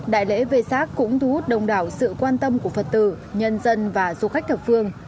đại lễ về sắc cũng thu hút đông đảo sự quan tâm của phật tử nhân dân và du khách thập phương